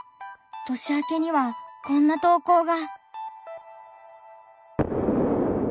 年明けにはこんな投稿が。